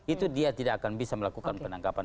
itu dia tidak akan bisa melakukan penangkapan